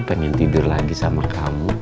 pengen tidur lagi sama kamu